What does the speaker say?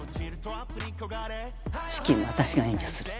資金は私が援助する。